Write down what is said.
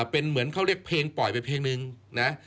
เป็นเหมือนเขาเรียกเพลงปล่อยไปเพลงนึงนะ